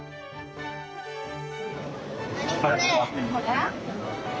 何これ！